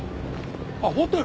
あっホテル？